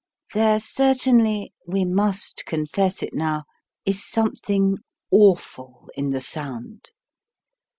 There certainly we must confess it now is something awful in the sound.